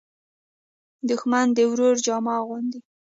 دښمن د ورور جامه اغوندي